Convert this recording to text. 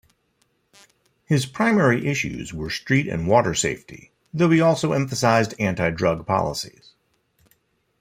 His primary issues were street and water safety, though he also emphasized anti-drug policies.